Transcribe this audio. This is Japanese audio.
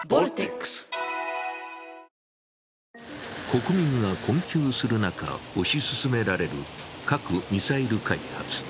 国民が困窮する中、推し進められる核・ミサイル開発。